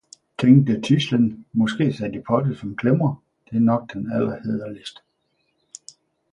tænkte tidslen, måske sat i potte, som klemmer, det er nok det allerhæderligste!